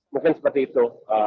mungkin seperti itu